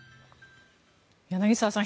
柳澤さん